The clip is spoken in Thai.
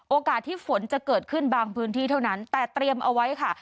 โอกาสที่ฝนจะเกิดขึ้นบางพื้นที่เท่านั้นแต่เตรียมเอาไว้ค่ะ